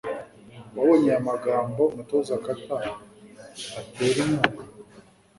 Wabonye aya magambo umutoza Carter atera inkunga?